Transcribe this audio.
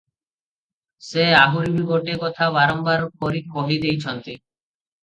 ସେ ଆହୁରି ବି ଗୋଟାଏ କଥା ବାରମ୍ବାର କରି କହି ଦେଇଛନ୍ତି ।